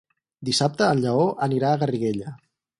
Dissabte en Lleó anirà a Garriguella.